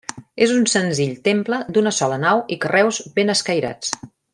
És un senzill temple d'una sola nau i carreus ben escairats.